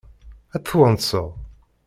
Ad tt-twanseḍ?